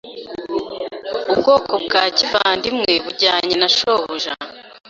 ubwoko bwa kivandimwe bujyanye nashobuja